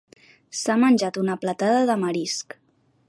S'ha menjat una platada de marisc.